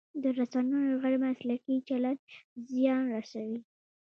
د رسنیو غیر مسلکي چلند زیان رسوي.